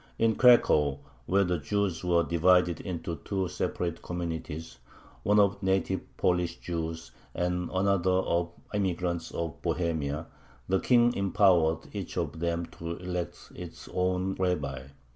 In Cracow, where the Jews were divided into two separate communities one of native Polish Jews and another of immigrants from Bohemia, the King empowered each of them to elect its own rabbi.